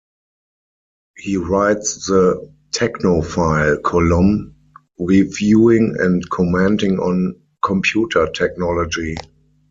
He writes the "Technofile" column, reviewing and commenting on computer technology.